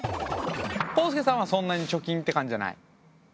こうすけさんはそんなに貯金って感じじゃない？